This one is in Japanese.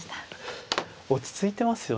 落ち着いてますよね。